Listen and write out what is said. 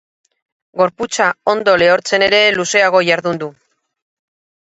Gorputza ondo lehortzen ere luzeago jardun du.